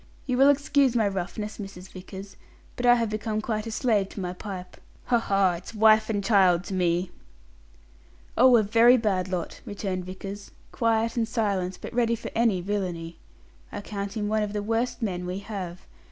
"You will excuse my roughness, Mrs. Vickers, but I have become quite a slave to my pipe. Ha, ha, it's wife and child to me!" "Oh, a very bad lot," returned Vickers; "quiet and silent, but ready for any villainy. I count him one of the worst men we have.